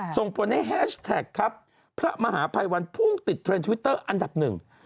ส่งผลให้แฮชแท็กครับพระมหาภัยวันพุ่งติดเทรนด์ทวิตเตอร์อันดับหนึ่ง